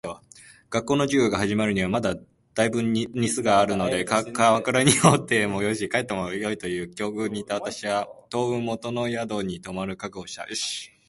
学校の授業が始まるにはまだ大分日数があるので鎌倉におってもよし、帰ってもよいという境遇にいた私は、当分元の宿に留まる覚悟をした。